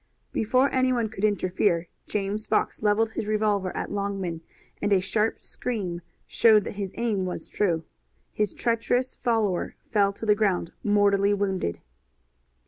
Before anyone could interfere James Fox leveled his revolver at Longman, and a sharp scream showed that his aim was true. His treacherous follower fell to the ground, mortally wounded.